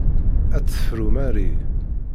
Ad tt-tefru Marie.